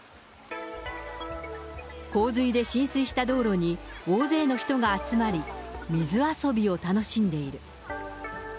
洪水で浸水した道路に大勢の人が集まり、水遊びを楽しんでいる。